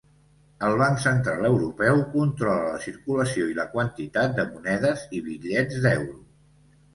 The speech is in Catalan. El Banc Central Europeu controla la circulació i la quantitat de monedes i bitllets d'euro.